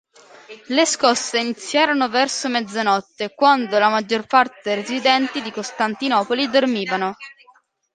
Le scosse iniziarono verso mezzanotte, quando la maggior parte dei residenti di Costantinopoli dormivano.